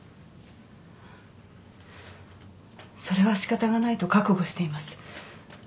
それは仕方がないと覚悟しています。